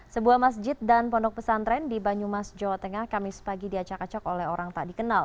sebuah masjid dan pondok pesantren di banyumas jawa tengah kamis pagi diacak acak oleh orang tak dikenal